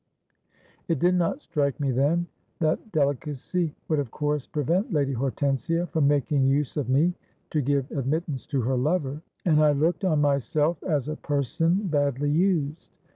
It did not strike me then that delicacy would of course prevent Lady Hortensia from making use of me to give admittance to her lover; and I looked on myself as a person badly used.